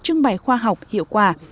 trưng bày khoa học hiệu quả